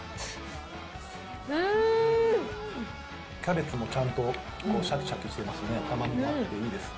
キャベツもちゃんとしゃきしゃきしてますね、甘みもあっていいです。